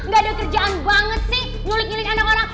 gak ada kerjaan banget sih ngulik ngulik anak anak